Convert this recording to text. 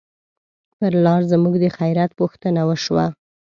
پر لار زموږ د خیریت پوښتنه وشوه.